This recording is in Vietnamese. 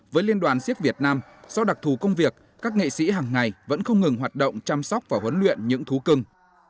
với liên đoàn siếc việt nam do đặc thù công việc các nghệ sĩ hàng ngày vẫn không ngừng hoạt động chăm sóc và huấn luyện những thú cưng